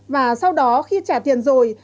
và sau đó khi trả tiền rồi